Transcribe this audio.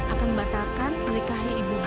akan membatalkan menikahi ibumu